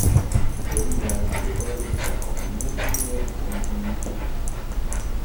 Dum la turkoj la komunumo ne senhomiĝis.